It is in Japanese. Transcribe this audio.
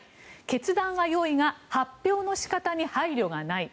決断は良いが発表の仕方に配慮がない。